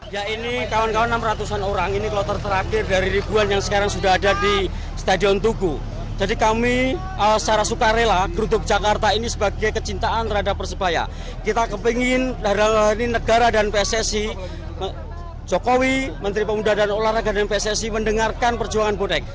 jokowi menteri pemuda dan olahraga dan pssi mendengarkan perjuangan bonek